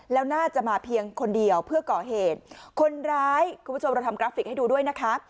แล้วน่าจะมาเพียงคนเดียวเพื่อก่อเหตุคนร้ายคุณผู้ชมเราทำกราฟิกให้ดูด้วยนะคะ